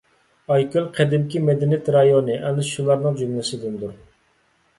ئايكۆل قەدىمكى مەدەنىيەت رايونى ئەنە شۇلارنىڭ جۈملىسىدىندۇر.